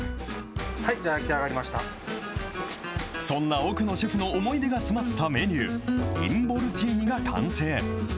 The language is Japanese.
そんな奥野シェフの思い出が詰まったメニュー、インボルティーニが完成。